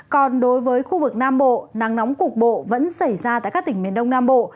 còn đối với khu vực nam bộ nắng nóng cục bộ vẫn xảy ra tại các tỉnh miền đông nam bộ